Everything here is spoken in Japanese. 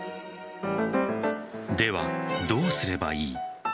では、どうすればいい。